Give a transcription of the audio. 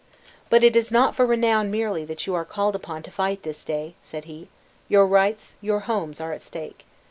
"But it is not for renown merely that you are called upon to fight this day," said he; "your rights, your homes are at stake.